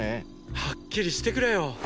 はっきりしてくれよ。